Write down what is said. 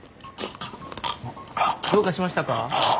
どうかしましたか？